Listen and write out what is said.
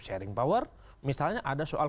sharing power misalnya ada soal